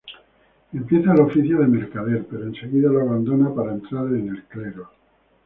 Empieza el oficio de mercader, pero enseguida lo abandona para entrar en el clero.